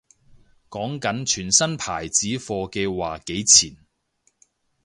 講緊全新牌子貨嘅話幾錢